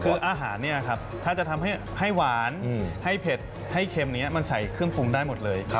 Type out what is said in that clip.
คืออาหารเนี่ยครับถ้าจะทำให้หวานให้เผ็ดให้เค็มนี้มันใส่เครื่องปรุงได้หมดเลย